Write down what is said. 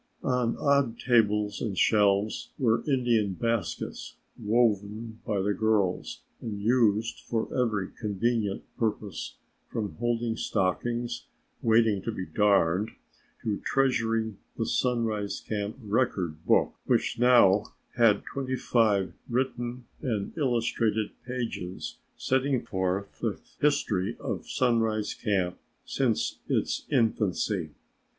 On odd tables and shelves were Indian baskets woven by the girls and used for every convenient purpose from holding stockings waiting to be darned to treasuring the Sunrise Camp Record Book which now had twenty five written and illustrated pages setting forth the history of Sunrise Camp since its infancy.